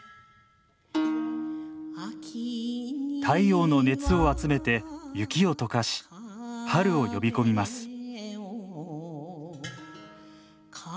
太陽の熱を集めて雪を解かし春を呼び込みます。